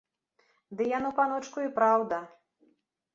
Ды яно, паночку, і праўда!